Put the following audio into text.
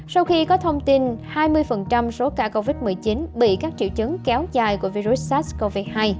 sau khi có thông tin hai mươi số ca covid một mươi chín bị các triệu chứng kéo dài của virus sars cov hai